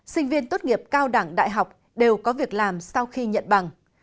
sinh viên tốt nghiệp cao đẳng đại học đều có việc làm sau khi nhận bằng